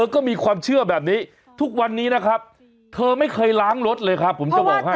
ก็มีความเชื่อแบบนี้ทุกวันนี้นะครับเธอไม่เคยล้างรถเลยครับผมจะบอกให้